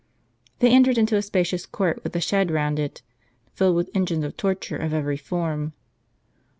They entered into a spacious court with a shed round it, filled with engines of torture of every form.